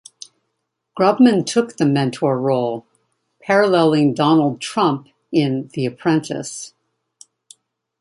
Grubman took the mentor role, paralleling Donald Trump in "The Apprentice".